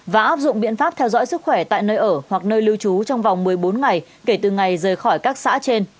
và áp dụng biện pháp theo dõi sức khỏe tại nơi ở hoặc nơi lưu trú trong vòng một mươi bốn ngày kể từ ngày rời khỏi các xã trên